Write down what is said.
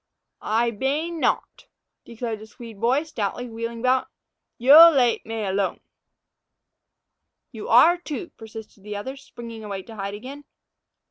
"Ay bane note," declared the Swede boy, stoutly, wheeling about; "yo late may alone." "You are, too," persisted the other, springing away to hide again.